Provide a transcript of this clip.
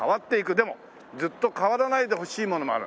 「でもずっと変わらないでほしいものもある」